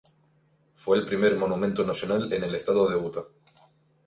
Fue el primer monumento nacional en el estado de Utah.